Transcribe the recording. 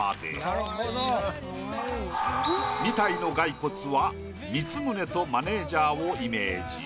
２体の骸骨は光宗とマネージャーをイメージ。